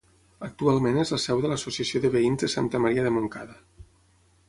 Actualment és la seu de l'Associació de Veïns de Santa Maria de Montcada.